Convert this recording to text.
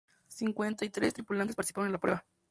Cincuenta y tres tripulaciones participaron en la prueba.